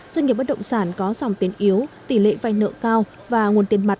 doanh nghiệp bất động sản có dòng tiến yếu tỷ lệ vai nợ cao và nguồn tiền mặt